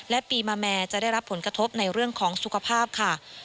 และปีมาแม่จะได้รับผลกระทบในเรื่องของสุขภาพค่ะ